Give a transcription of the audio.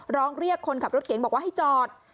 ร้องเรียกคนขับรถเก๋งบอกว่าให้จอด